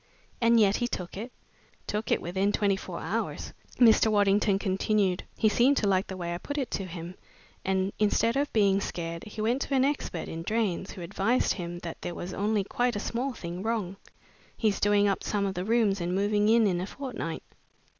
"And yet he took it?" "Took it within twenty four hours," Mr. Waddington continued. "He seemed to like the way I put it to him, and instead of being scared he went to an expert in drains, who advised him that there was only quite a small thing wrong. He's doing up some of the rooms and moving in in a fortnight."